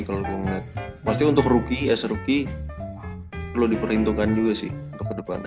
kalau gue liat pasti untuk rookie ya serookie perlu diperhitungkan juga sih untuk kedepannya